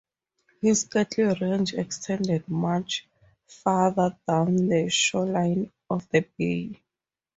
His cattle range extended much farther down the shoreline of the bay.